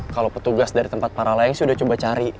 kalau petugas dari tempat para layang sih udah coba cari